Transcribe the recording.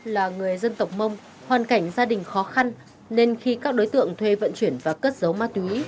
là người dân tộc mông hoàn cảnh gia đình khó khăn nên khi các đối tượng thuê vận chuyển và cất giấu ma túy